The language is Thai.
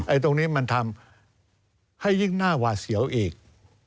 ตรงนี้มันทำให้ยิ่งหน้าหวาเสียวอีก